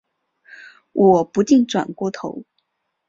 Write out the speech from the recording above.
我不禁转过头